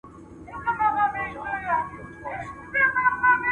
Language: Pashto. د نرکس ټينګار د نورو اقتصاد پوهانو د نظرياتو په پرتله روښانه دی.